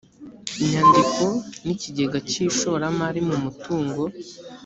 nyandiko n ikigega cy ishoramari mu mutungo